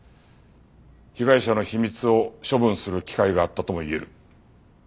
被害者の秘密を処分する機会があったとも言える。